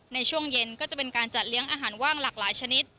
ในช่วงเย็นก็จะเป็นการจัดเลี้ยงอาหารว่างหลากหลายชนิด